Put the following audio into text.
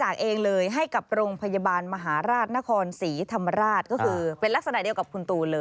ยังต้องเติมและมากกว่าคุณตูน